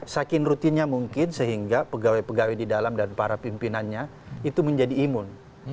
saking rutinnya mungkin sehingga pegawai pegawai di dalam dan para pimpinannya itu menjadi imun